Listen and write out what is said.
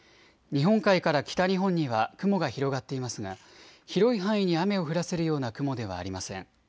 日本海から北日本には雲が広がっていますが広い範囲に雨を降らせるような雲ではありません。